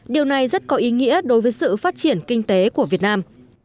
điều này rất có ý nghĩa đối với sự phát triển kinh tế của việt nam